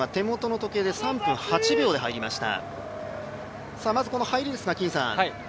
最初の１ｋｍが手元の時計で３分８秒で入りました。